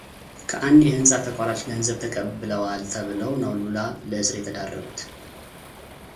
ከአንድ የሕንጻ ተቋራጭ ገንዘብ ተቀብለዋል ተብለው ነው ሉላ ለእስር የተዳረጉት።